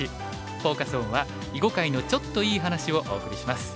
フォーカス・オンは「囲碁界の“ちょっと”いい話」をお送りします。